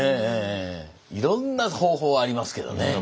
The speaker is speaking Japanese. いろんな方法ありますけどね。